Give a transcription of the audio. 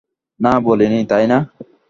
না, বলিনি, তাই না?